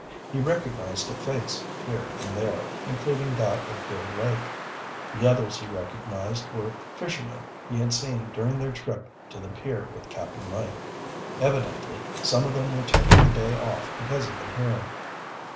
He recognized a face here and there, including that of Bill Lake. The others he recognized were fishermen he had seen during their trip to the pier with Cap'n Mike. Evidently some of them were taking the day off because of the hearing.